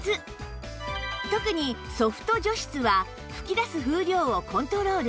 特にソフト除湿は吹き出す風量をコントロール